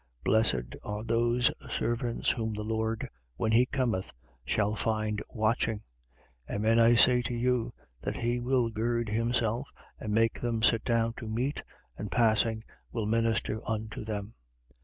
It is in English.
12:37. Blessed are those servants whom the Lord, when he cometh, shall find watching. Amen I say to you that he will gird himself and make them sit down to meat and passing will minister unto them.